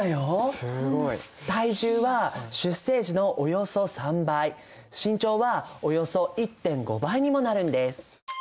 すごい！体重は出生時のおよそ３倍身長はおよそ１．５倍にもなるんです。